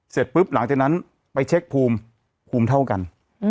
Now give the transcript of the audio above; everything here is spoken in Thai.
เสร็จปุ๊บหลังจากนั้นไปเช็คภูมิภูมิเท่ากัน